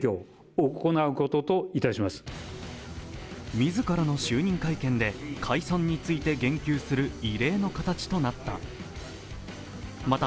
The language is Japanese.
自らの就任会見で解散について言及する異例の形となった。